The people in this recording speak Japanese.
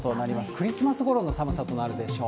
クリスマスごろの寒さとなるでしょう。